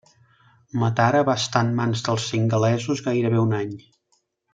Matara va estar en mans dels singalesos gairebé un any.